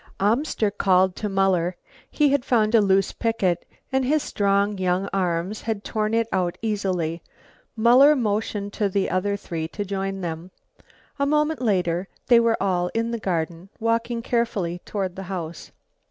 Amster called to Muller, he had found a loose picket, and his strong young arms had torn it out easily. Muller motioned to the other three to join them. A moment later they were all in the garden, walking carefully toward the house.